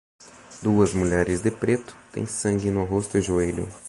Duas mulheres de preto têm sangue no rosto e joelho